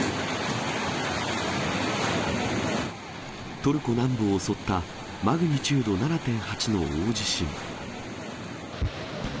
トルコ南部を襲ったマグニチュード７．８の大地震。